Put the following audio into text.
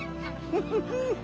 フフフフ。